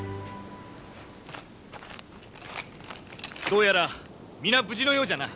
どうやら皆無事のようじゃな。